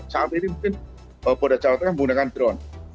saat ini mungkin polda jawa tengah menggunakan drone